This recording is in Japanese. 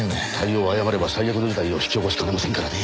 対応を誤れば最悪の事態を引き起こしかねませんからね。